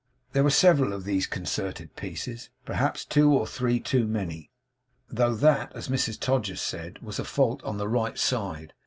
There were several of these concerted pieces; perhaps two or three too many, though that, as Mrs Todgers said, was a fault on the right side.